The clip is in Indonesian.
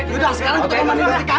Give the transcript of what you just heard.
yaudah sekarang kita ngomong sama niditika